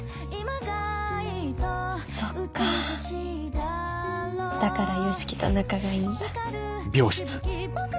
そっかだから良樹と仲がいいんだ。